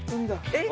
えっ？